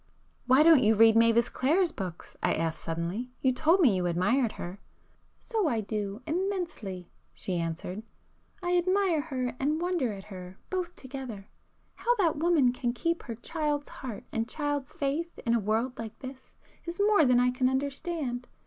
"Why don't you read Mavis Clare's books?" I asked suddenly—"You told me you admired her." "So I do,—immensely!" she answered,—"I admire her and wonder at her, both together. How that woman can keep her child's heart and child's faith in a world like this, is more than I can understand.